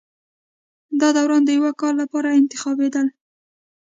دا داوران د یوه کال لپاره انتخابېدل